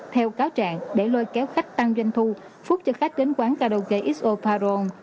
theo cáo trạng để lôi kéo khách tăng doanh thu phúc cho khách đến quán karaoke x o paron